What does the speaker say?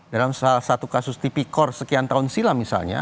dalam salah satu kasus tipikor sekian tahun silam misalnya